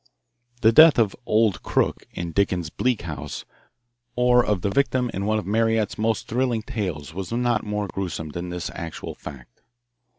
The Death of "Old Krook" in Dickens's "Bleak House" or of the victim in one of Marryat's most thrilling tales was not more gruesome than this actual fact.